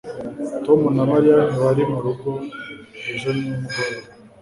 tom na mariya ntibari murugo ejo nimugoroba